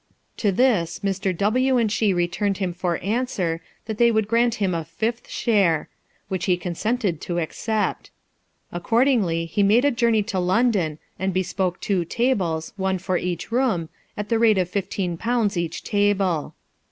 To this Mr. "W and she returned him for answer, that they would grant him a fifth share ; which he consented to accept. Accordingly, he made a journey to London, and bespoke two tables, one for each room, at the rate of fifteen pounds each table.